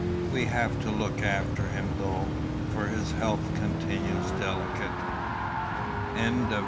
We have to look after him though, for his health continues delicate. CHAPTER X.